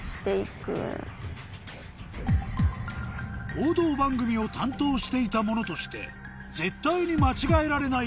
報道番組を担当していた者として絶対に間違えられない